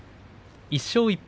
１勝１敗